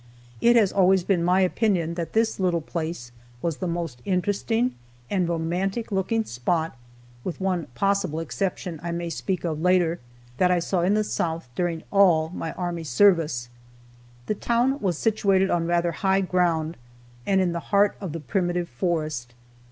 It has always been my opinion that this little place was the most interesting and romantic looking spot (with one possible exception I may speak of later) that I saw in the South during all my army service. The town was situated on rather high ground, and in the heart of the primitive forest.